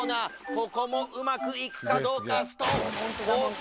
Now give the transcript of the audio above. ここもうまくいくかどうかストン！コース